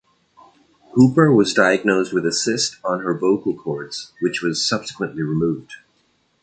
Hooper was diagnosed with a cyst on her vocal cords which was subsequently removed.